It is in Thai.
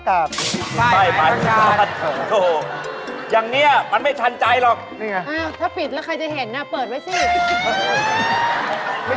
ขนมไหม้เต็มเต็ง